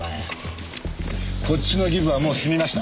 こっちのギブはもう済みました。